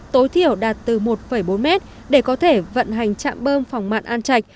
tối thiểu đạt từ một bốn mét để có thể vận hành trạm bơm phòng mặn an trạch